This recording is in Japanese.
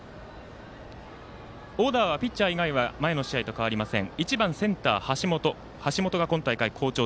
オーダーはピッチャー以外は前の試合と変わりません。